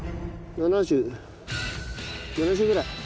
７０ぐらい。